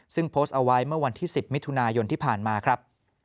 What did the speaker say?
ซึ่งโพสต์เอาไว้เมื่อวันที่๑๐มิถุนายนที่ผ่านมาครับ